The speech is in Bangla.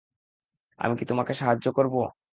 আমি কি তোমাকে সাহায্য করবো?